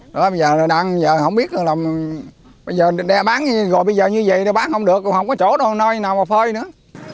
bây giờ nó đang giờ không biết là bây giờ đeo bán bây giờ như vậy nó bán không được không có chỗ đâu nơi nào mà phơi nữa